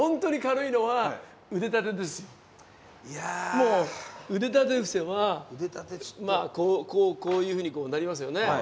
もう腕立て伏せはこういうふうになりますよね。